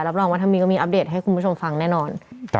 รับรองวัฒนีก็มีอัปเดตให้คุณผู้ชมฟังแน่นอน